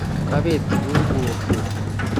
Kabeet kibunguok chu